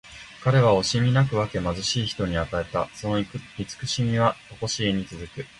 彼は惜しみなく分け、貧しい人に与えた。その慈しみはとこしえに続く。